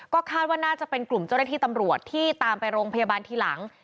ก็คาดว่าน่าจะเป็นกลุ่มเจ้าหน้าที่ตำรวจที่ตามไปโรงพยาบาลทีหลัง